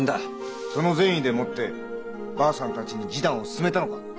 その善意でもってばあさんたちに示談を勧めたのか？